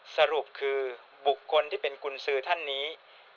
สรุปคือบุคคลที่เป็นกุญสือท่านนี้